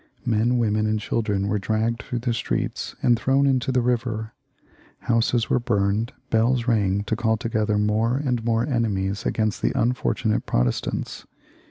Men, women, and children were dragged through the streets and thrown into the river. Houses were burned, bells rang to call together more and more enemies agaiast the unfortu nate Protestants.